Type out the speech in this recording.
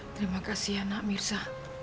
terima kasih ya nak mirza